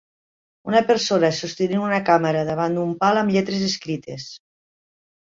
Una persona sostenint una càmera davant amb un pal amb lletres escrites.